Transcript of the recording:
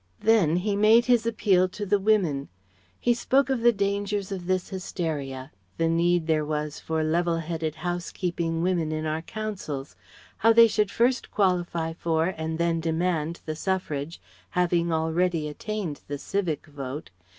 Then he made his appeal to the women. He spoke of the dangers of this hysteria; the need there was for level headed house keeping women in our councils; how they should first qualify for and then demand the suffrage, having already attained the civic vote.